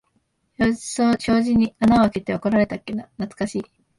障子に穴あけて怒られたっけな、なつかしい。